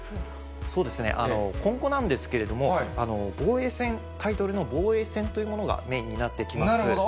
そうですね、今後なんですけれども、防衛戦、タイトルの防衛戦というものがメインになってきます。